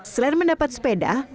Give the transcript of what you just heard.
selain mendapat sepeda